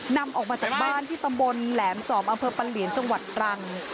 นำออกมาจากบ้านที่ตำบลแหลมจอบอำเภอปะเหลียนจังหวัดตรัง